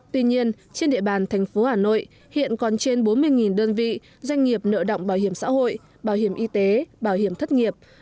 tuy nhiên trên địa bàn thành phố hà nội hiện còn trên bốn mươi đơn vị doanh nghiệp nợ động bảo hiểm xã hội bảo hiểm y tế bảo hiểm thất nghiệp